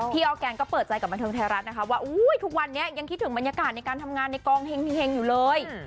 ออร์แกนก็เปิดใจกับบันเทิงไทยรัฐนะคะว่าทุกวันนี้ยังคิดถึงบรรยากาศในการทำงานในกองเฮงอยู่เลย